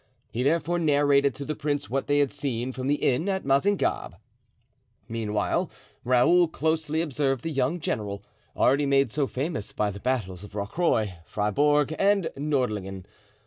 He therefore narrated to the prince what they had seen from the inn at Mazingarbe. Meanwhile Raoul closely observed the young general, already made so famous by the battles of Rocroy, Fribourg, and Nordlingen.